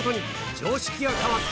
常識が変わった！